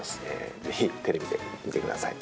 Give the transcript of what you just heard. ぜひテレビで見てください。